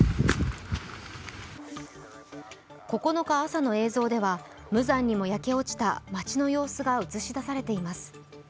９日朝の映像では、無残にも焼け落ちた街の様子が映し出されています。